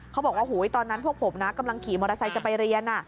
เขาบอกว่าตอนนั้นพวกผมนะกำลังขี่มอเตอร์ไซค์จะไปเรียน